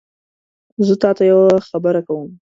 زه تاته یوه خبره کوم